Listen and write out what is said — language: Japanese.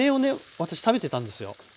私食べてたんですよ